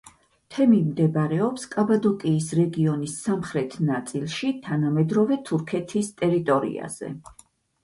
თემი მდებარეობს კაპადოკიის რეგიონის სამხრეთ ნაწილში, თანამედროვე თურქეთის ტერიტორიაზე.